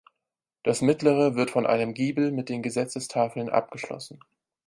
Das mittlere wird von einem Giebel mit den Gesetzestafeln abgeschlossen.